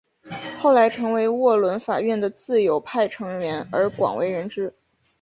后来成为沃伦法院的自由派成员而广为人知。